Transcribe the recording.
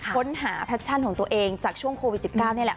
ค้นหาแพชชันของตัวเองจากช่วงโควิด๑๙